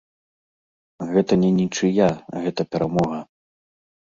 Гэта не нічыя, гэта перамога.